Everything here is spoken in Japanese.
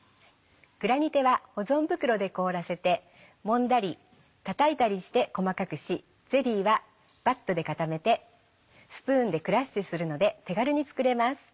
グラニテは保存袋で凍らせてもんだりたたいたりして細かくしゼリーはバットで固めてスプーンでクラッシュするので手軽に作れます。